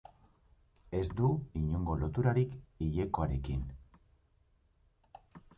Ez du inongo loturarik hilekoarekin.